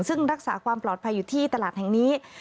ซึ่งรักษาความปลอดภัยอยู่ที่ตลาดแห่งนี้